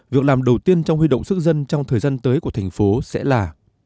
việc làm đầu tiên trong huy động sức dân trong thời gian tới của thành phố sẽ là